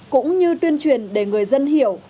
cũng như tuyên truyền để người dân hiểu